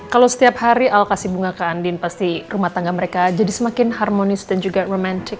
kalau setiap hari al kasih bunga ke andin pasti rumah tangga mereka jadi semakin harmonis dan juga romantic